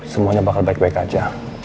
semuanya bakal baik baik aja